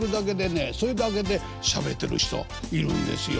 それだけでしゃべってる人いるんですよ。